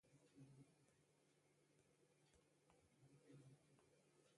هستهُ سلول